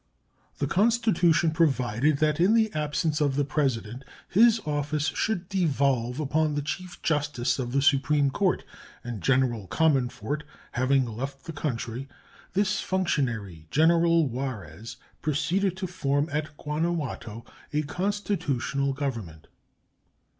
The constitution provided that in the absence of the President his office should devolve upon the chief justice of the supreme court; and General Comonfort having left the country, this functionary, General Juarez, proceeded to form at Guanajuato a constitutional Government.